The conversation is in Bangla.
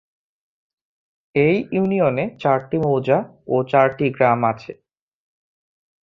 এই ইউনিয়নে চারটি মৌজা ও চারটি গ্রাম আছে।